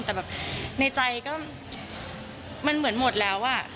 แต่แบบในใจก็มันเหมือนหมดแล้วอะ